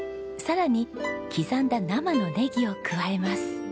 さらに刻んだ生のねぎを加えます。